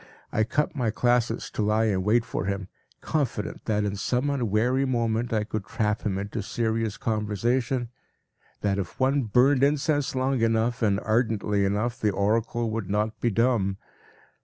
I cut my classes to lie in wait for him, confident that in some unwary moment I could trap him into serious conversation, that if one burned incense long enough and ardently enough, the oracle would not be dumb.